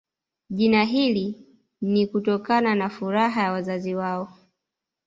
Jina hili ni kutokana na furaha ya wazazi wao